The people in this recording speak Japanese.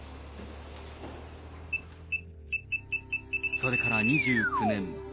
それから２９年。